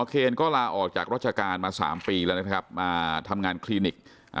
เขียนก็ลาออกจากรอชการมา๓ปีละนะครับ